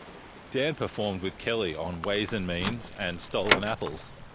Dan performed with Kelly on "Ways and Means" and "Stolen Apples".